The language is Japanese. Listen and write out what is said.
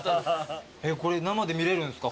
生で見れるんすか？